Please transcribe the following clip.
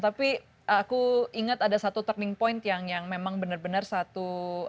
tapi aku ingat ada satu turning point yang memang benar benar satu